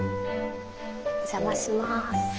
お邪魔します。